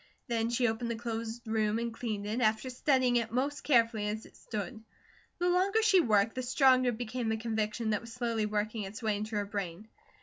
Then she opened the closed room and cleaned it, after studying it most carefully as it stood. The longer she worked, the stronger became a conviction that was slowly working its way into her brain.